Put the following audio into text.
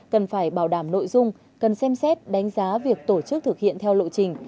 cần phải bảo đảm nội dung cần xem xét đánh giá việc tổ chức thực hiện theo lộ trình